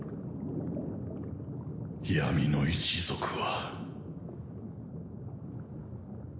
闇の一族は。